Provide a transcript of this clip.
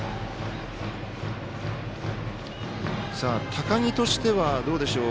高木としてはどうでしょう。